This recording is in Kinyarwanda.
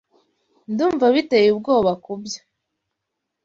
Ndumva biteye ubwoba kubyo